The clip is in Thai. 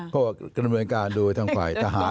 พ่อบอกว่านำเนินการโดยทั้งฝ่ายทหาร